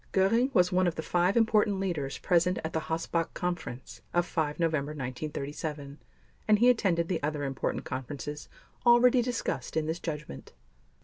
Göring was one of the five important leaders present at the Hossbach Conference of 5 November 1937, and he attended the other important conferences already discussed in this Judgment.